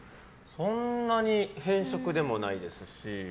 そんなに偏食でもないですし。